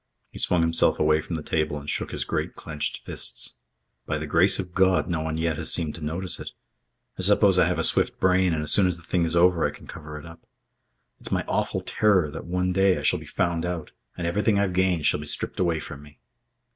He swung himself away from the table and shook his great clenched firsts. "By the grace of God, no one yet has seemed to notice it. I suppose I have a swift brain and as soon as the thing is over I can cover it up. It's my awful terror that one day I shall be found out and everything I've gained shall be stripped away from me."